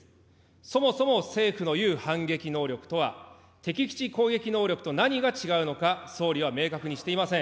そもそも政府のいう反撃能力とは敵基地攻撃能力と何が違うのか、総理は明確にしていません。